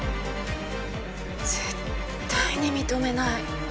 絶対に認めない。